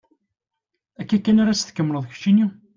Akka kan ara tt-tkemmleḍ keččini?